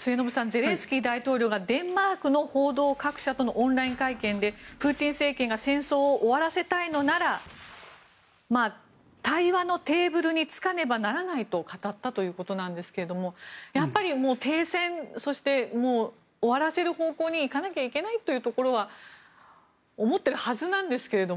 ゼレンスキー大統領がデンマークの報道各社とのオンライン会見でプーチン政権が戦争を終わらせたいのなら対話のテーブルに着かねばならないと語ったということですがやっぱり停戦そして、終わらせる方向に行かなきゃいけないというところは思ってるはずなんですけど。